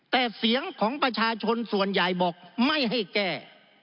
แต่เสียงของประชาชนส่วนใหญ่บอกไม่ให้แก้